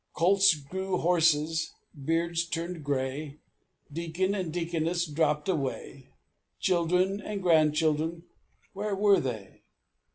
Colts grew horses, beards turned gray, Deacon and Deaconess dropped away, Children and grandchildren where were they?